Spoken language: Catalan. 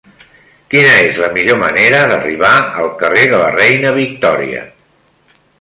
Quina és la millor manera d'arribar al carrer de la Reina Victòria?